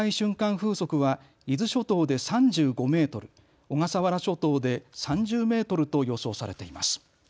風速は伊豆諸島で３５メートル、小笠原諸島で３０メートルと予想されています。